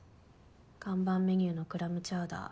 看板メニューのクラムチャウダー。